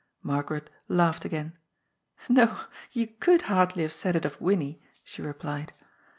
Margaret laughed again. '' No, you could hardly have said it of Winnie," she replied.